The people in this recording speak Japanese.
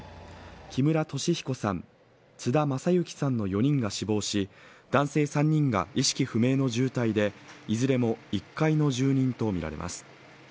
木村敏彦さん、津田正行さんの４人が死亡し、男性３人が意識不明の重体でいずれも１階の住人とみられます。